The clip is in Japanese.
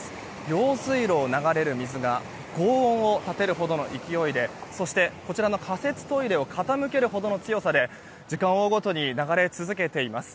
用水路を流れる水が轟音を立てるほどの勢いでそして、こちらの仮設トイレを傾けるほどの強さで時間を追うごとに流れ続けています。